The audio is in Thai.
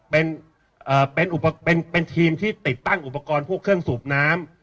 เป็นเอ่อเป็นเป็นเป็นทีมที่ติดตั้งอุปกรณ์พวกเครื่องสูบน้ำ